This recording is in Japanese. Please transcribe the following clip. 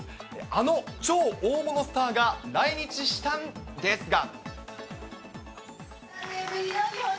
あの超大物スターが来日したんですが。